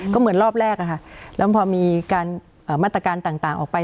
ก็เหมือนรอบแรกอะค่ะแล้วพอมีมาตรการต่างออกไป